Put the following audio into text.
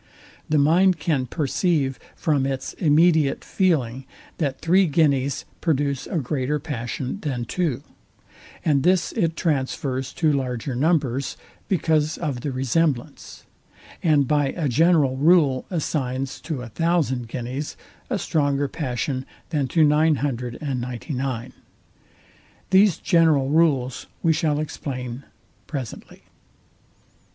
The mind can perceive from its immediate feeling, that three guineas produce a greater passion than two; and this it transfers to larger numbers, because of the resemblance; and by a general rule assigns to a thousand guineas, a stronger passion than to nine hundred and ninety nine. These general rules we shall explain presently.